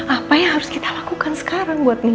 apa yang harus kita lakukan sekarang buat nih